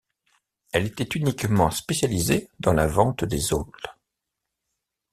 Elle était uniquement spécialisée dans la vente des aulx.